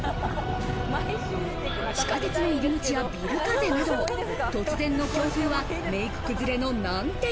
地下鉄の入口やビル風など、突然の強風はメイク崩れの難敵。